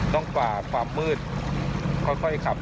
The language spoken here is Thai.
ต้องป่าความมืดค่อยขับกลับ